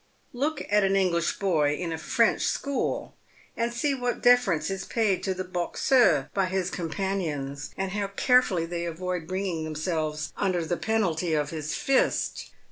Look at an English boy in a French school, and see what deference is paid to the loxeur by his companions, and how carefully they avoid bringing themselves under the penalty of his fist.